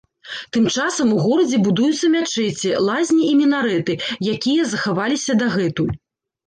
Тым часам у горадзе будуюцца мячэці, лазні і мінарэты, якія захаваліся дагэтуль.